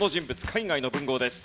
海外の文豪です。